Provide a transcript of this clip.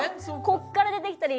ここから出てきたり。